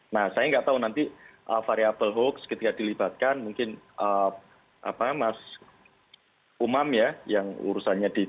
nah saya nggak tahu nanti variable hoax ketika dilibatkan mungkin mas umam ya yang urusannya di tiga